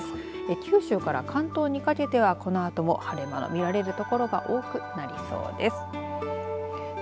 九州から関東にかけてはこのあとも晴れ間が見られる所が多くなりそうです。